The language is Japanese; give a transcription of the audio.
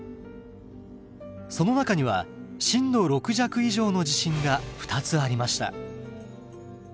その中には震度６弱以上の地震が２つありました。